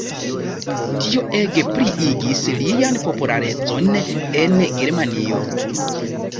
Tio ege pliigis lian popularecon en Germanio.